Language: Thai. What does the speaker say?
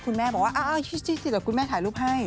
คุณแม่บอกว่าอ้าวคุณแม่ถ่ายรูปให้